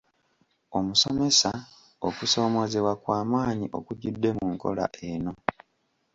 Omusomesa, okusoomoozebwa kwa maanyi okujjudde mu nkola eno.